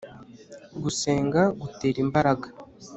gusenga gutera imbaraga